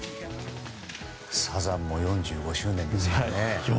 サザンも４５周年ですからね。